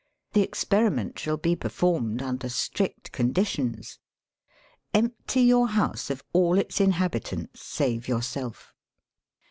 The experiment shall be performed under strict conditions. Empty your house of all its inhabitants save yourself.